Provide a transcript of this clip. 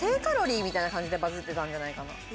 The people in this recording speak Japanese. みたいな感じでバズってたんじゃないかな。